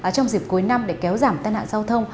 trong dịp cuối năm để kéo giảm tai nạn giao thông